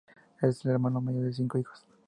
Él es el hermano mayor de cinco hijos.